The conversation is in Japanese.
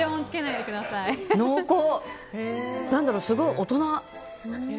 何だろう、すごい大人。